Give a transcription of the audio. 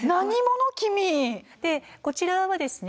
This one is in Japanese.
こちらはですね